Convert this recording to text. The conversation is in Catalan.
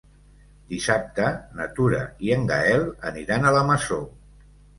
Dissabte na Tura i en Gaël aniran a la Masó.